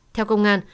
theo công an